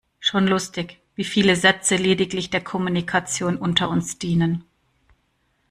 Schon lustig, wie viele Sätze lediglich der Kommunikation unter uns dienen.